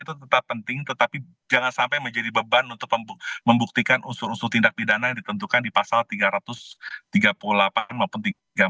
itu tetap penting tetapi jangan sampai menjadi beban untuk membuktikan unsur unsur tindak pidana yang ditentukan di pasal tiga ratus tiga puluh delapan maupun tiga ratus tiga puluh